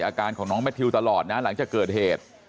อาการของน้องแมททิวตลอดนะหลังจากเกิดเหตุ